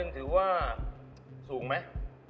ถือว่าสูงไหม